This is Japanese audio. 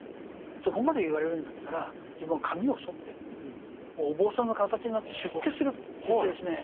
そこまで言われるんだったら自分は髪をそってもうお坊さんの形になって出家すると言ってですね